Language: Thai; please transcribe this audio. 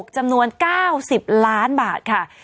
จำนวน๙๐ล้านบาทค่ะ